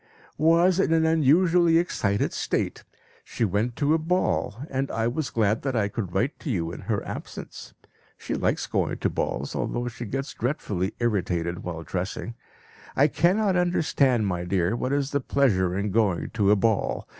"...¬Ýwas in an unusually excited state. She went to a ball, and I was glad that I could write to you in her absence. She likes going to balls, although she gets dreadfully irritated while dressing. I cannot understand, my dear, what is the pleasure in going to a ball.